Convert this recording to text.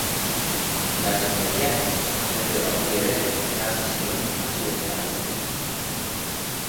Erasotzaileak agente bati ere eraso zion atxilotzen ari zirenean.